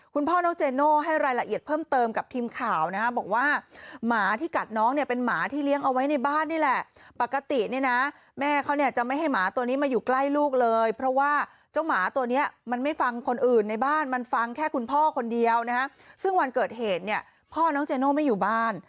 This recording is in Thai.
คุณพ่อน้องเจโน่ให้รายละเอียดเพิ่มเติมกับทีมข่าวนะฮะบอกว่าหมาที่กัดน้องเนี่ยเป็นหมาที่เลี้ยงเอาไว้ในบ้านนี่แหละปกติเนี่ยนะแม่เขาเนี่ยจะไม่ให้หมาตัวนี้มาอยู่ใกล้ลูกเลยเพราะว่าเจ้าหมาตัวเนี้ยมันไม่ฟังคนอื่นในบ้านมันฟังแค่คุณพ่อคนเดียวนะฮะซึ่งวันเกิดเหตุเนี่ยพ่อน้องเจโน่ไม่อยู่บ้าน